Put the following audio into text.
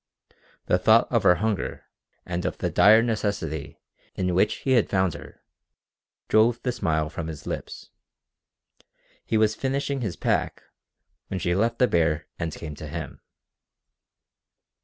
The thought of her hunger and of the dire necessity in which he had found her, drove the smile from his lips. He was finishing his pack when she left the bear and came to him.